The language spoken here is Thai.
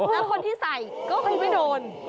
แล้วคนที่ใส่ก็คือไม่โดน